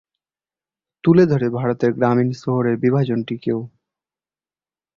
তুলে ধরে ভারতের গ্রামীণ-শহুরে বিভাজনটিকেও।